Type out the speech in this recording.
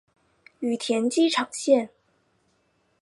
羽田机场线